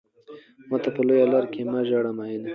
ماته په لويه لار کې مه ژاړه ميننه